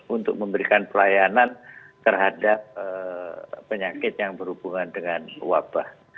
untuk memberikan pelayanan terhadap penyakit yang berhubungan dengan wabah